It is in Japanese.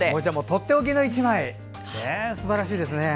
とっておきの１枚すばらしいですね。